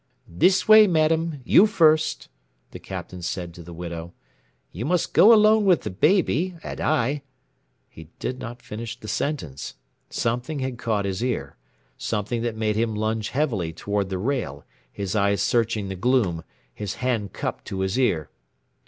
"This way, madam you first " the Captain said to the widow. "You must go alone with the baby, and I " He did not finish the sentence. Something had caught his ear something that made him lunge heavily toward the rail, his eyes searching the gloom, his hand cupped to his ear.